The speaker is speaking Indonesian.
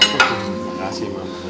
terima kasih mama